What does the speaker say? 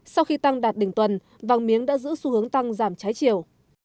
sau khi tăng đạt đỉnh tuần vàng miếng đã giữ xu hướng tăng giảm trái chiều